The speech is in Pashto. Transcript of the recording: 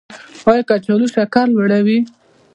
ایا کچالو شکر لوړوي؟